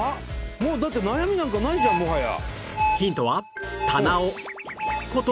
もうだって悩みなんかないじゃんもはや。